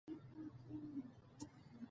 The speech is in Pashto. هغه چې ښه پوهېږي، ښه لیکي.